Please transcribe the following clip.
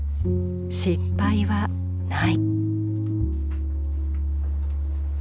失敗はない。